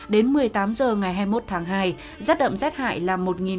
đến một mươi tám h ngày hai mươi một tháng hai rách đậm rách hại là một một mươi năm